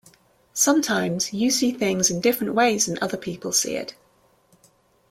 Sometimes you see things in different ways than other people see it.